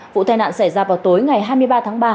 vụ tai nạn xảy ra vào tối ngày hai mươi ba tháng ba